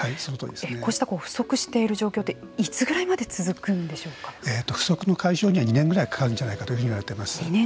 こうした不足している状況って不足の解消には２年くらいかかるんじゃないかと言われています。